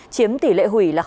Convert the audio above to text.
chiếm tỷ lệ hủy là bảy